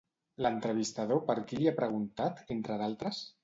L'entrevistador per qui li ha preguntat, entre d'altres?